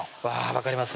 分かります